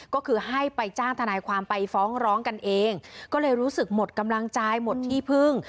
ก็คือให้ไปจ้างทนายความไปฟ้องร้องกันเองก็เลยรู้สึกหมดกำลังใจหมดที่พึ่ง